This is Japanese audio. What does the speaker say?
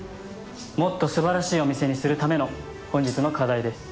もっとすばらしいお店にするための本日の課題です。